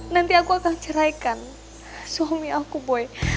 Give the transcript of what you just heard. nanti aku akan ceraikan suami aku boy